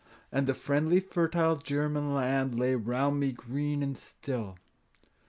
And the friendly fertile German land Lay round me green and still.